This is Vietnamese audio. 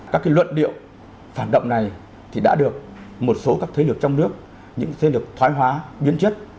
các luận điệu phản động này thì đã được một số các thế lực trong nước những thế lực thoái hóa biến chất